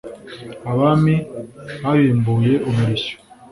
abami babimbuye umurishyo